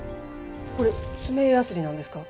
これ爪ヤスリなんですか？